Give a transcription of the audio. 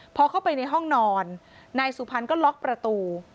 พอเข้าไปในห้องนอนนายสุพรรณก็ล็อกประตู